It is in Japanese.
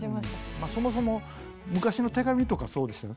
そもそも昔の手紙とかそうですよね。